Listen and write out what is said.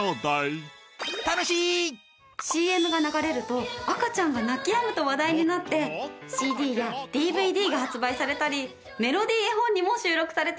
ＣＭが流れると赤ちゃんが泣きやむと話題になってＣＤやＤＶＤが発売されたりメロディー絵本にも収録されているの。